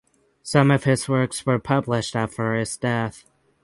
Some of his works were published after his death.